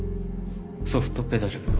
ソフトペダル。